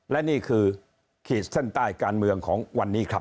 และนี่คือขีดเส้นใต้การเมืองของวันนี้ครับ